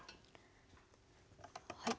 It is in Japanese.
はい。